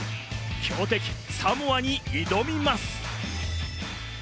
強敵・サモアに挑みます。